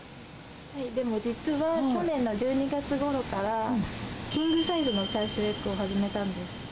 でも実は、去年の１２月ごろから、キングサイズのチャーシューエッグを始めたんです。